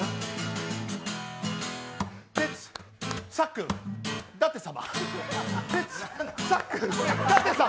テツ、さっくん、舘様。